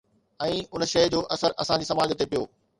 ۽ ان شيءِ جو اثر اسان جي سماج تي پيو